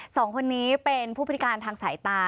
สองคนนี้เป็นผู้พิการทางสายตา